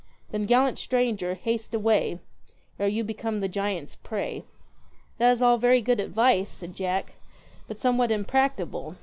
Then, gallant stranger, haste away Ere you become the giants' prey.' 'That is all very good advice,' said Jack, 'but somewhat impracticable.